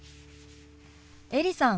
エリさん